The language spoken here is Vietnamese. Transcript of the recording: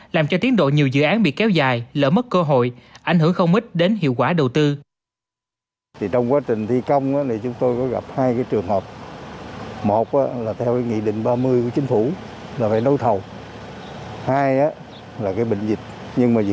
làm cho tiến độ nhiều dự án bị kéo dài lỡ mất cơ hội ảnh hưởng không ít đến hiệu quả đầu tư